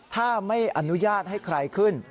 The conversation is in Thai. ถ้าไม่อนุญาตให้ใครขึ้น